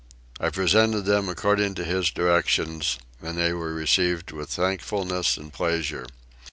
I presented them according to his directions and they were received with thankfulness and pleasure.